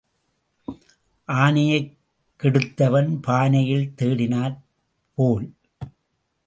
ஆனையைக் கெடுத்தவன் பானையில் தேடினாற் போல்.